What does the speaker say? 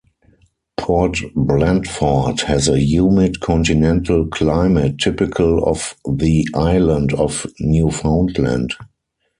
Port Blandford has a humid continental climate typical of the island of Newfoundland.